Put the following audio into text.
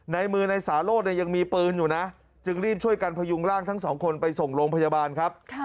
ในมือนายสาโรธเนี่ยยังมีปืนอยู่นะจึงรีบช่วยกันพยุงร่างทั้งสองคนไปส่งโรงพยาบาลครับ